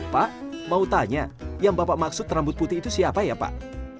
pak mau tanya yang bapak maksud rambut putih itu siapa ya pak